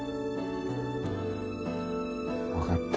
分かった。